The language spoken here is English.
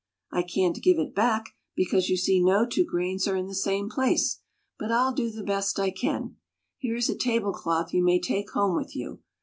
I can't give it back, because you .see no two grains are in the same place. But I'll do the best I can. Here is a table cloth you may take home with you.